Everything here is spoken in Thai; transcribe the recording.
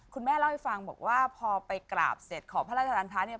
คุณแม่เล่าให้ฟังบอกว่าพอไปกราบเสร็จขอพระราชทานทะเนี่ย